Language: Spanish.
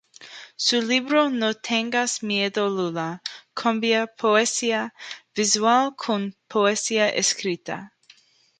Su libro "No tengas miedo, Lulú" combina poesía visual con poesía escrita.